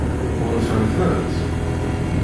Ɣunfant-tent?